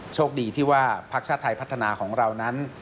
โชคดีที่ว่าพักชาติไทยพัฒนาของเรานั้น